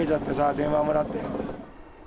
電話もらって。